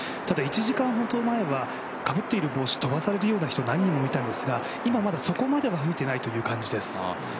ただ、１時間ほど前はかぶっている帽子、飛ばされるような人が何人もいたんですが、今はまだそこまでは吹いていないという感じです。